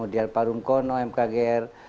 dan pak runkono mkgr